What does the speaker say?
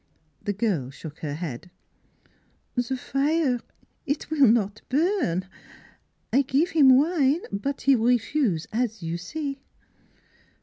The girl shook her head. " Ze fire eet will not burn. I give heem wine ; but he refuse, as you see."